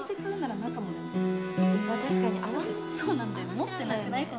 持ってないよね